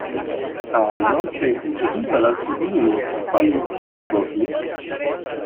Ha inoltre contribuito ad altri volumi fra i quali Why Bosnia?